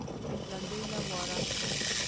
لمبې له واره